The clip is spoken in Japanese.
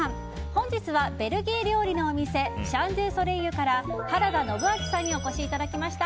本日はベルギー料理のお店シャン・ドゥ・ソレイユから原田延彰さんにお越しいただきました。